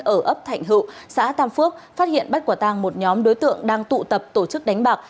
ở ấp thạnh hữu xã tam phước phát hiện bắt quả tàng một nhóm đối tượng đang tụ tập tổ chức đánh bạc